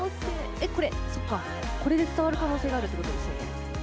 えっ、これ、そっか、これで伝わる可能性があるってことですよね？